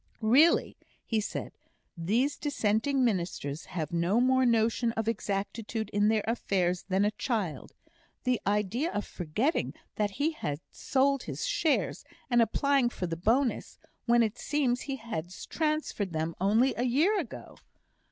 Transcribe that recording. "Really," he said, "these Dissenting ministers have no more notion of exactitude in their affairs than a child! The idea of forgetting that he has sold his shares, and applying for the bonus, when it seems he has transferred them only a year ago!"